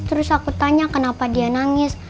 terus aku tanya kenapa dia nangis